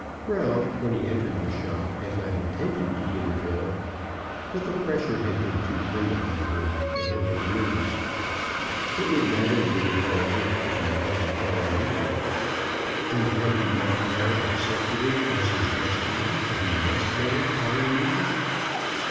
Ralph, when he entered the shop, had not intended to give a bill; but the pressure had been too great upon him, and he had yielded. It would matter little, however, if he married Polly Neefit. And had he not now accepted it as his destiny that he must marry Polly Neefit?